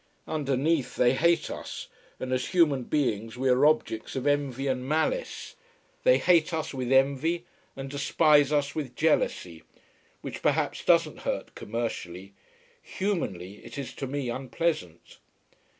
Underneath, they hate us, and as human beings we are objects of envy and malice. They hate us, with envy, and despise us, with jealousy. Which perhaps doesn't hurt commercially. Humanly it is to me unpleasant.